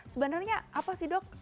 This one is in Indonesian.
sebenarnya apa sih dok